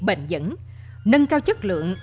bền dẫn nâng cao chất lượng